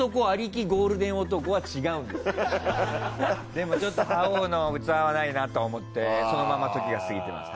でもちょっと覇王の器はないなと思ってそのまま時が過ぎてます。